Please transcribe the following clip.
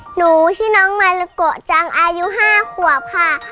หนูชื่อน้องมาลาโกจังอายุ๕ขวบค่ะ